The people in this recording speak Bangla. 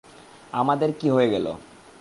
আমাদের কি হয়ে গেলো?